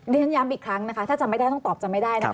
เรียนย้ำอีกครั้งนะคะถ้าจำไม่ได้ต้องตอบจำไม่ได้นะคะ